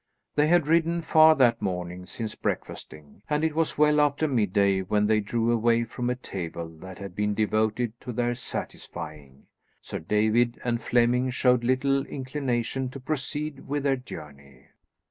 They had ridden far that morning since breakfasting, and it was well after midday when they drew away from a table that had been devoted to their satisfying. Sir David and Flemming showed little inclination to proceed with their journey.